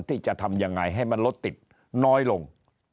ที่จะทำยังไงให้มันรถติดน้อยลง